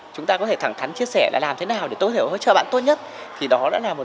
chúng ta có thể thẳng thắn chia sẻ là làm thế nào để tốt hiểu hỗ trợ bạn tốt nhất thì đó đã là một